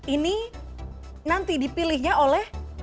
ini nanti dipilihnya oleh